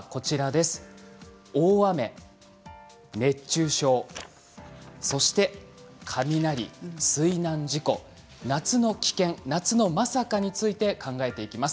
大雨、熱中症そして雷、水難事故夏の危険、夏のまさかについて考えていきます。